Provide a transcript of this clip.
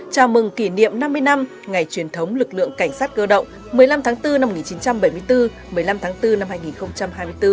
chào mừng kỷ niệm năm mươi năm ngày truyền thống lực lượng cảnh sát cơ động một mươi năm tháng bốn năm một nghìn chín trăm bảy mươi bốn một mươi năm tháng bốn năm hai nghìn hai mươi bốn